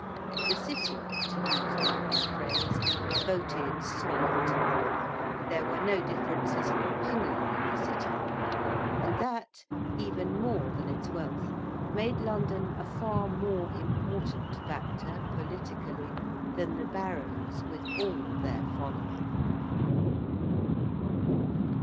The City, to use a modern phrase, 'voted solid.' There were no differences of opinion in the City. And that, even more than its wealth, made London a far more important factor, politically, than the barons with all their following.